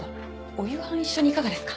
お夕飯一緒にいかがですか？